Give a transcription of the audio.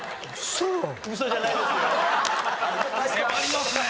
ウソじゃないですよ。